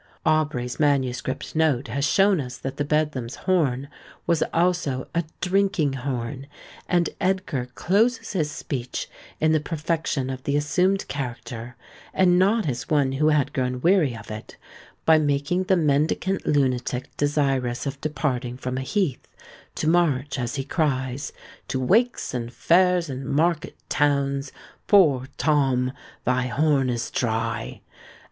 Aubrey's manuscript note has shown us that the Bedlam's horn was also a drinking horn, and Edgar closes his speech in the perfection of the assumed character, and not as one who had grown weary of it, by making the mendicant lunatic desirous of departing from a heath, to march, as he cries, "to wakes, and fairs, and market towns Poor Tom! thy horn is dry!"